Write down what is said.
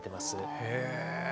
へえ。